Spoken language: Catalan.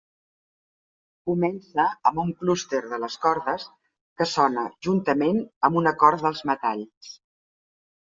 Comença amb un clúster de les cordes que sona juntament amb un acord dels metalls.